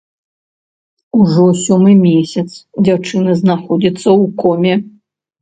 Ужо сёмы месяц дзяўчына знаходзіцца ў коме.